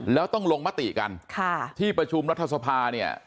แล้วต้องลงมติกันค่ะที่ประชุมรัฐสภาเนี่ย